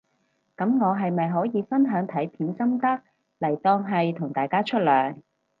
噉我係咪可以分享睇片心得嚟當係同大家出糧